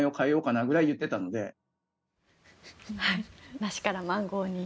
梨からマンゴーに。